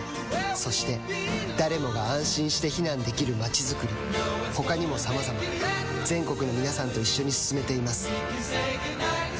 そして誰もが安心して避難できる街づくり他にもさまざま全国の皆さんと一緒に進めています